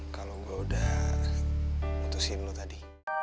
kalo gue udah mutusin lo tadi